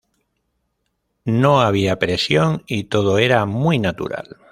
No había presión, y todo era muy natural.